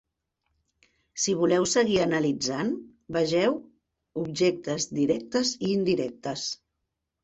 Si voleu seguir analitzant, vegeu 'Objectes directes i indirectes'.